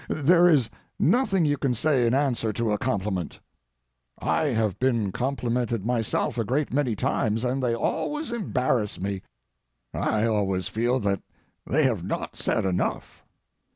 There is nothing you can say in answer to a compliment. I have been complimented myself a great many times, and they always embarrass me—I always feel that they have not said enough.